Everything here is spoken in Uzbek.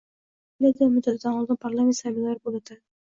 Portugaliyada muddatidan oldin parlament saylovlari bo‘lib o‘tading